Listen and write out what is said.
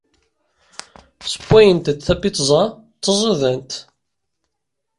Ssewwayent-d tapizza d taẓidant.